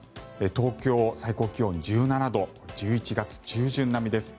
東京は最高気温１７度１１月中旬並みです。